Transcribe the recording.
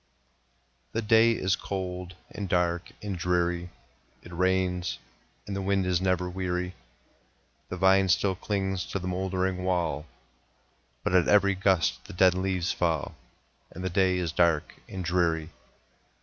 The day is cold, and dark, and dreary; It rains, and the wind is never weary; The vine still clings to the moldering wall, But at every gust the dead leaves fall, And the day is dark and dreary.